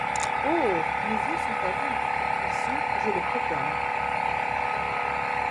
Oh ! mes yeux sont à vous. Ils sont, je le proclame